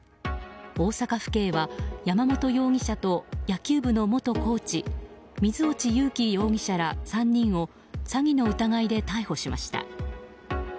大阪府警は山本容疑者と野球部の元コーチ水落雄基容疑者ら３人を詐欺の疑いで逮捕しました。